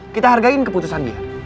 kita hargain keputusan dia